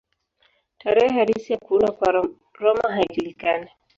Tarehe halisi ya kuundwa kwa Roma haijulikani.